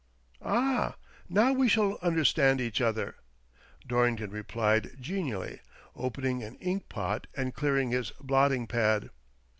" Ah, now we shall understand each other," Dorrington replied genially, opening an ink pot and clearing his blotting pad.